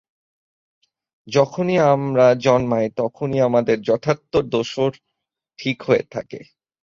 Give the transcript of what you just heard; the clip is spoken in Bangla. যখনি আমরা জন্মাই তখনি আমাদের যথার্থ দোসর ঠিক হয়ে থাকে।